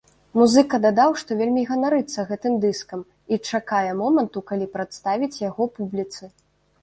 Музыка дадаў, што вельмі ганарыцца гэтым дыскам і чакае моманту, калі прадставіць яго публіцы.